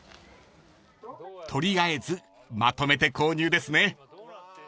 ［取りあえずまとめて購入ですね］